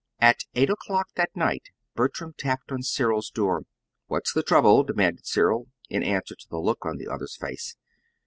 At eight o'clock that night Bertram tapped on Cyril's door. "What's the trouble?" demanded Cyril in answer to the look on the other's face.